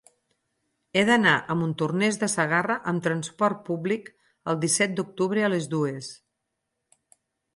He d'anar a Montornès de Segarra amb trasport públic el disset d'octubre a les dues.